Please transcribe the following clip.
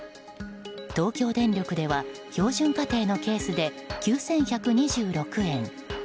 東京電力では標準家庭のケースで９１２６円。